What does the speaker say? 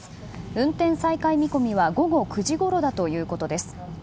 運転再開見込みは午後９時ごろだということです。